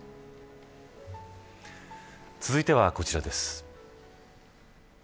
続いては、こちらです。